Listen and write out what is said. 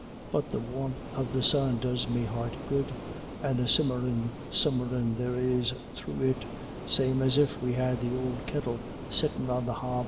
But the warmth of the sun does me heart good, and the simmerin' summerin' there is thro' it, same as if we had the ould kettle sittin* on the hob."